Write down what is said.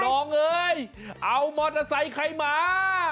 น้องเอ้ยเอามอเตอร์ไซค์ใครมา